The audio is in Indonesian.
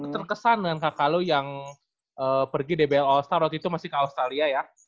terkesan dengan kakaklu yang pergi dbl all star waktu itu masih ke australia ya